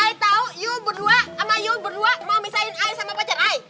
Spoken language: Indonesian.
i tau you berdua ama you berdua mau misahin i sama pacar i